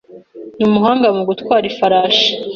Ni umuhanga mu gutwara ifarashi.